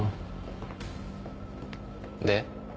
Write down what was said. で？